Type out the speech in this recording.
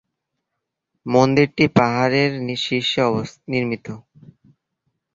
মন্দিরটি পাহাড়ের শীর্ষে নির্মিত।